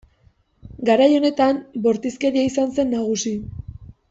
Garai honetan bortizkeria izan zen nagusi.